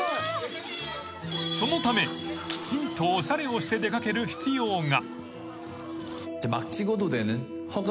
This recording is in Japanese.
［そのためきちんとおしゃれをして出掛ける必要が］